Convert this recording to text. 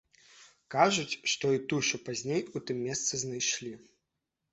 Кажуць, што і тушу пазней у тым месцы знайшлі.